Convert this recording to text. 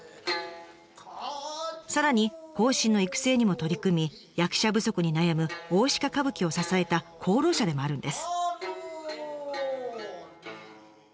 さらに後進の育成にも取り組み役者不足に悩む大鹿歌舞伎を支えた功労者でもあるんです。